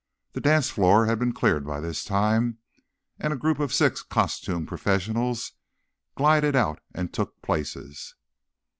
The dance floor had been cleared by this time, and a group of six costumed professionals glided out and took places.